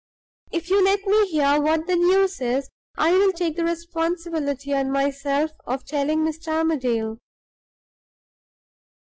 "If you let me hear what the news is, I will take the responsibility on myself of telling Mr. Armadale."